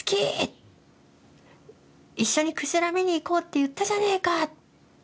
一緒にクジラ見に行こうって言ったじゃねえか！